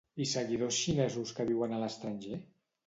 I seguidors xinesos que viuen a l'estranger?